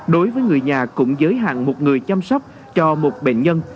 đối với người nhà cũng giới hạn một người chăm sóc cho một bệnh nhân